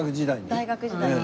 大学時代に。